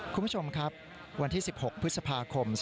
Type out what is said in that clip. คุณผู้ชมครับวันที่๑๖พฤษภาคม๒๕๖